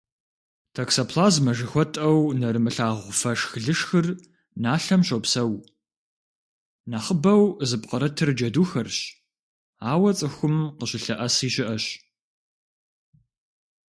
Токсоплазмэ жыхуэтӏэу нэрымылъагъу фэшх-лышхыр налъэм щопсэу, нэхъыбэу зыпкърытыр джэдухэрщ, ауэ цӏыхум къыщылъэӏэси щыӏэщ.